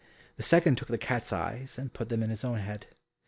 The second took the cat's eyes and put them in his own head.